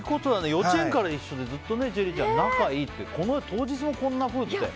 幼稚園から一緒でずっと仲がいいって当日もこんなふうって。